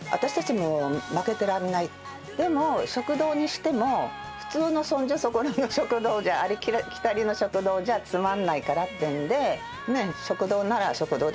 でも食堂にしても普通のそんじょそこらの食堂じゃありきたりの食堂じゃつまらないからっていうんで。